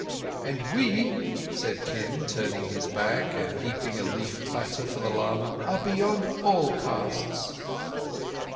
"And we," said Kim, turning his back and heaping a leafplatter for the lama, "are beyond all castes."